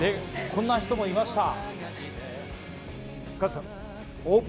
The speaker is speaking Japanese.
こんな人もいました。